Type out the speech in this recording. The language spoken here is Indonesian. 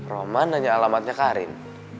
roman nanya alamatnya karin